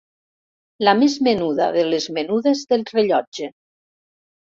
La més menuda de les menudes del rellotge.